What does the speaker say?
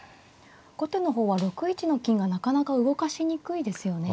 後手の方は６一の金がなかなか動かしにくいですよね。